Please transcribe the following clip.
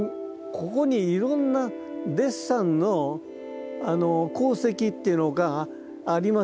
ここにいろんなデッサンの功績というのがありますよね。